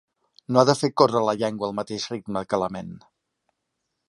No ha de fer córrer la llengua al mateix ritme que la ment.